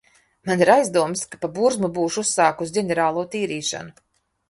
Man ir aizdomas, ka pa burzmu būšu uzsākusi ģenerālo tīrīšanu.